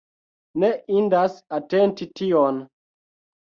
Ne indas atenti tion.